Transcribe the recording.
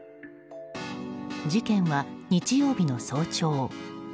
事件は日曜日の早朝